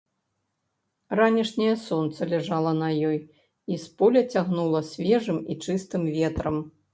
Ранішняе сонца ляжала на ёй, і з поля цягнула свежым і чыстым ветрам.